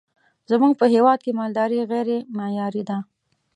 زمونږ په هیواد کی مالداری غیری معیاری ده